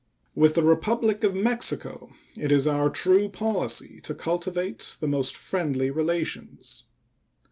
With the Republic of Mexico it is our true policy to cultivate the most friendly relations.